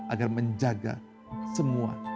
agar menjaga semua